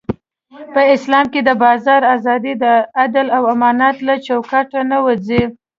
په اسلام کې د بازار ازادي د عدل او امانت له چوکاټه نه وځي.